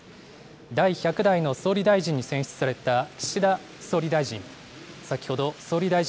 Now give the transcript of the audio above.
第１００代の総理大臣に選出された岸田総理大臣。